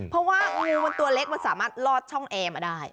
เพราะว่างูมันตัวเล็กมันสามารถลอดช่องแอร์มาได้